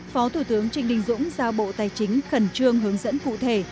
phó thủ tướng trịnh đình dũng giao bộ tài chính khẩn trương hướng dẫn cụ thể